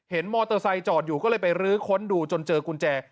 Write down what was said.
มอเตอร์ไซค์จอดอยู่ก็เลยไปรื้อค้นดูจนเจอกุญแจ